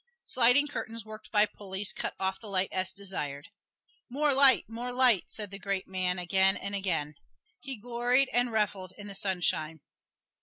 Sliding curtains worked by pulleys cut off the light as desired. "More light, more light," said the great man again and again. He gloried and reveled in the sunshine.